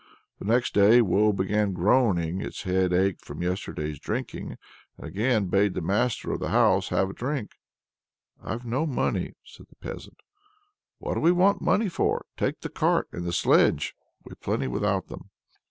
The next day Woe began groaning its head ached from yesterday's drinking and again bade the master of the house have a drink. "I've no money," said the peasant. "What do we want money for? Take the cart and the sledge; we've plenty without them."